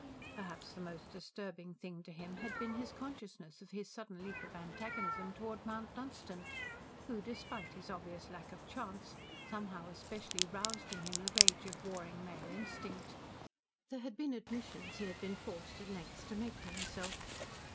Perhaps the most disturbing thing to him had been his consciousness of his sudden leap of antagonism towards Mount Dunstan, who, despite his obvious lack of chance, somehow especially roused in him the rage of warring male instinct. There had been admissions he had been forced, at length, to make to himself.